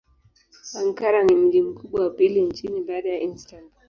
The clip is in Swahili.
Ankara ni mji mkubwa wa pili nchini baada ya Istanbul.